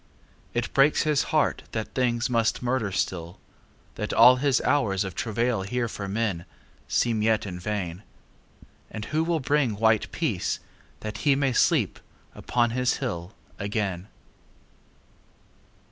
It breaks his heart that things must murder still, That all his hours of travail here for menSeem yet in vain. And who will bring white peaceThat he may sleep upon his hill again?